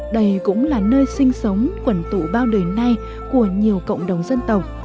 đây cũng là nơi sinh sống quẩn tụ bao đời nay của nhiều cộng đồng dân tộc